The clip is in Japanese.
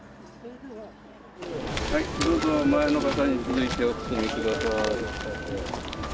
どうぞ、前の方に続いてお進みください。